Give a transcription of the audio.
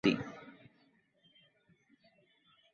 এর বিশেষ প্রয়োগ কোয়ান্টাম বিন্দুর উন্নতি।